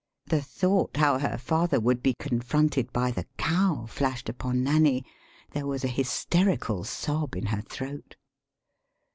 [The thought how her father would be confronted by the cow flashed upon Nanny. There was a hysterical sob in her throat.